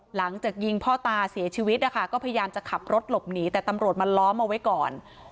หลังจากยิงพ่อตาเสียชีวิตนะคะก็พยายามจะขับรถหลบหนีแต่ตำรวจมาล้อมเอาไว้ก่อน